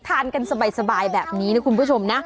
ทานกันสบายแบบนี้นะคุณผู้ชมนะ